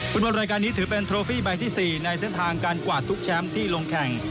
บนรายการนี้ถือเป็นโทรฟี่ใบที่๔ในเส้นทางการกวาดทุกแชมป์ที่ลงแข่ง